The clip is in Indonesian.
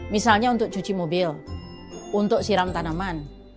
misalnya untuk cuci mobil untuk siram tanaman